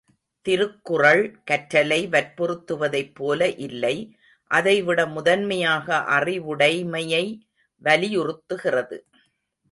திருக்குறள் கற்றலை வற்புறுத்துவதைப் போல இல்லை, அதைவிட முதன்மையாக அறிவுடைமையை வலியுறுத்துகிறது.